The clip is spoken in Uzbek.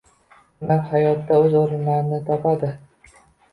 Ularni hayotda oʻz oʻrnilarini topadi.